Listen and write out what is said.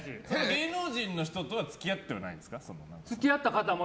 芸能人の人とは付き合ってはないんですか？